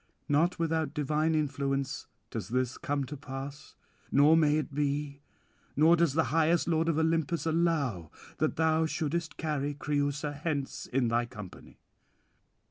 not without divine influence does this come to pass: nor may it be, nor does the high lord of Olympus allow, that thou shouldest carry Creüsa hence in thy company.